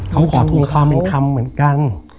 เขาขอทวงความเป็นคำเหมือนกัน